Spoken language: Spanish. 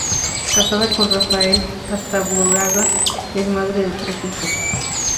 Casada con Rafael Astaburuaga, es madre de tres hijos.